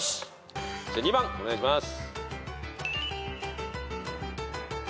じゃ２番お願いします。